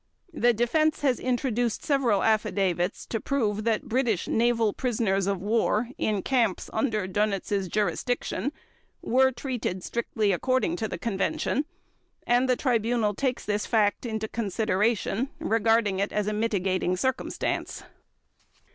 The Defense has introduced several affidavits to prove that British naval prisoners of war in camps under Dönitz' jurisdiction were treated strictly according to the Convention, and the Tribunal takes this fact into consideration, regarding it as a mitigating circumstance.